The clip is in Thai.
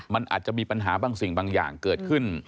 มันอาจจะมีปัญหาบางสิ่งบางอย่างเกิดขึ้น